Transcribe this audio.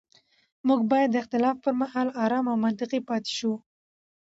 موږ باید د اختلاف پر مهال ارام او منطقي پاتې شو